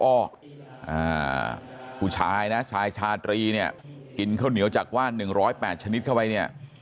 ผู้ชายนะชายชาตรีเนี่ยกินข้าวเหนียวจากว่าน๑๐๘ชนิดเข้าไปเนี่ย